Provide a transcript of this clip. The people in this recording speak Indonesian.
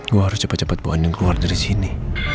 gua harus cepet cepet bawa niel keluar dari sini